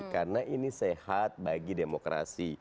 karena ini sehat bagi demokrasi